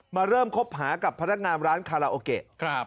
เริ่มคบหากับพนักงานร้านคาราโอเกะ